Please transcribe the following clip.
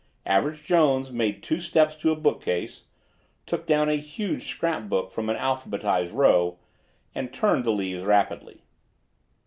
Average Jones made two steps to a bookcase, took down a huge scrap book from an alphabetized row, and turned the leaves rapidly.